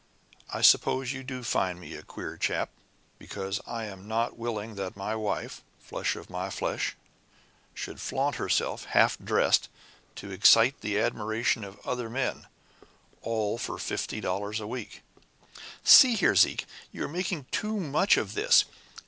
I suppose you do find me a queer chap, because I am not willing that my wife flesh of my flesh should flaunt herself, half dressed, to excite the admiration of other men all for fifty dollars a week!" "See here, Zeke, you are making too much of this!